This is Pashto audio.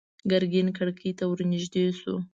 ګرګين کړکۍ ته ور نږدې شو.